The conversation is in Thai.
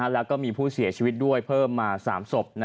แล้วก็มีผู้เสียชีวิตด้วยเพิ่มมา๓ศพ